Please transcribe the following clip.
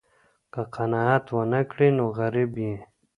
که قناعت ونه کړې نو غریب یې.